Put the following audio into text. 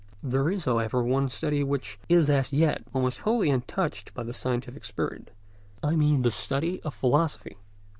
There is however, one study which is as yet almost wholly untouched by the scientific spirit—I mean the study of philosophy.